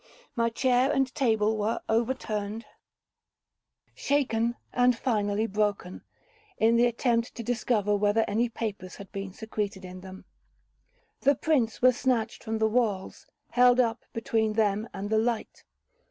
My chair and table were overturned, shaken, and finally broken, in the attempt to discover whether any papers had been secreted in them. The prints were snatched from the walls,—held up between them and the light.